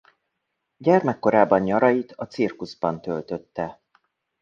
Gyermekkorában nyarait a cirkuszban töltötte.